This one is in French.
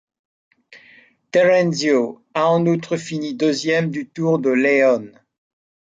Terrenzio a en outre finit deuxième du Tour de León.